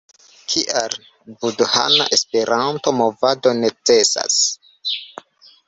Kial budhana Esperanto-movado necesas?